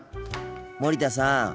森田さん。